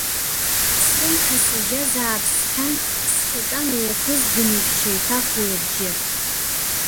Слымҳа сажьазаап сҳәан, сшьаҿа неихызгон еиԥш, еиҭах уи абжьы.